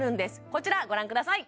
こちらご覧ください